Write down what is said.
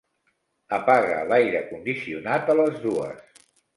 Apaga l'aire condicionat a les dues.